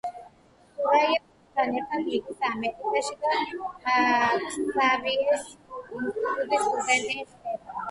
სურაია გუნდთან ერთად მიდის ამერიკაში და ქსავიეს ინსტიტუტის სტუდენტი ხდება.